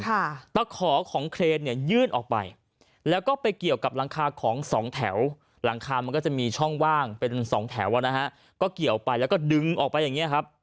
ตะขอของเครนเนี่ยยื่นออกไปแล้วก็ไปเกี่ยวกับหลังคาของสองแถวหลังคามันก็จะมีช่องว่างเป็นสองแถวอ่ะนะฮะก็เกี่ยวไปแล้วก็ดึงออกไปอย่างเงี้ยครับ